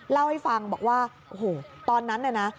เล่าให้ฟังบอกว่าโอ้โหตอนนั้นน่ะนะ